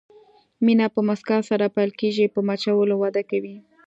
مینه په مسکا سره پیل کېږي، په مچولو وده کوي.